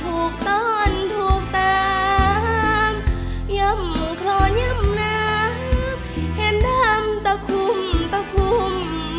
ตอนถูกตามย่ำโครนย่ำน้ำเห็นทำตะคุมตะคุม